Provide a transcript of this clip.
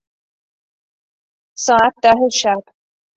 ساعت ده شب